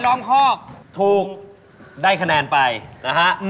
เก่งมากเลยโอ้โฮ